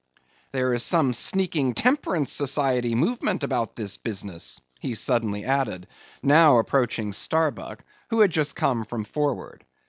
"There is some sneaking Temperance Society movement about this business," he suddenly added, now approaching Starbuck, who had just come from forward.